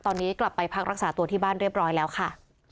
ตอนนี้กลับไปพักรักษาตัวที่บ้านเรียบร้อยแล้วค่ะ